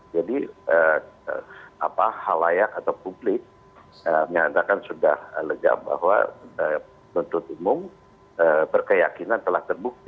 jadi hal layak atau publik menyatakan sudah lejam bahwa bentuk umum berkeyakinan telah terbukti